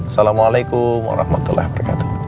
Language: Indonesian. waalaikumsalam warahmatullahi wabarakatuh